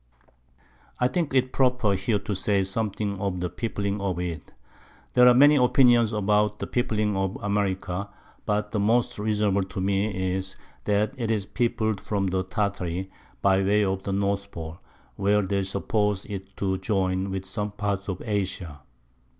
I think it proper here to say something of the peopling of it. There are many Opinions about the peopling of America, but the most reasonable to me is, that it was peopled from Tartary by way of the North Pole, where they suppose it to join with some part of Asia.